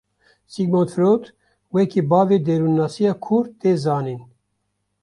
Sigmund Freud wekî bavê derûnnasiya kûr tê zanîn.